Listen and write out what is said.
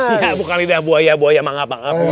iya bukan lidah buaya buaya mana